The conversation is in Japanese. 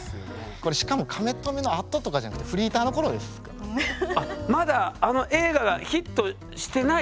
これしかも「カメ止め」のあととかじゃなくてあっまだあの映画がヒットしてない時？